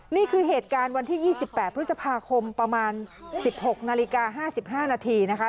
นี่คือเหตุการณ์วันที่๒๘พฤษภาคมประมาณ๑๖นาฬิกา๕๕นาทีนะคะ